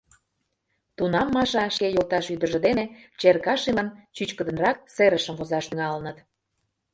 Тунам Маша шке йолташ ӱдыржӧ дене Черкашинлан чӱчкыдынрак серышым возаш тӱҥалыныт.